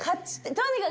とにかく。